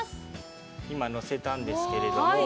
今のせたんですけれども。